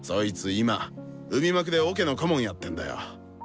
今海幕でオケの顧問やってんだよ。